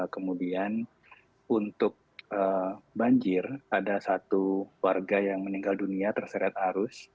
kemudian untuk banjir ada satu warga yang meninggal dunia terseret arus